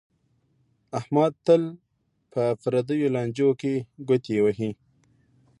احمد تل په پردیو لانجو کې گوتې وهي